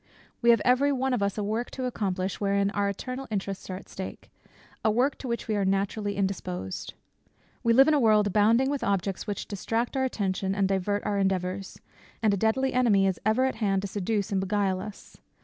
We have every one of us a work to accomplish, wherein our eternal interests are at stake; a work to which we are naturally indisposed. We live in a world abounding with objects which distract our attention and divert our endeavours; and a deadly enemy is ever at hand to seduce and beguile us.